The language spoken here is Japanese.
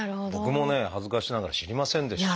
僕もね恥ずかしながら知りませんでした。